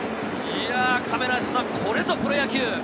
これぞプロ野球。